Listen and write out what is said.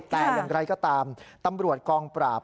แต่อย่างไรก็ตามตำรวจกองปราบ